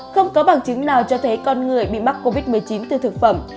không có bằng chứng nào cho thấy con người bị mắc covid một mươi chín từ thực phẩm